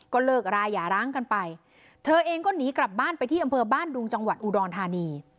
ก็เลิกราอย่าร้างกันไปเธอเองก็หนีกลับบ้านไปที่อำเภอบ้านดุงจังหวัดอุดรธานี